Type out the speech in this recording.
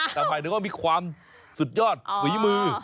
แต่หมายถึงว่ามีความสุดยอดฝีมือ